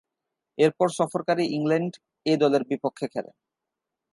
এরপর সফরকারী England A দলের বিপক্ষে খেলেন।